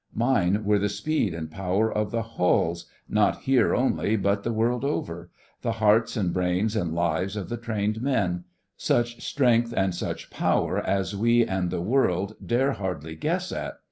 Mine were the speed and power of the hulls, not here only but the world over; the hearts and brains and lives of the trained men; such strength and such power as we and the World dare hardly guess at.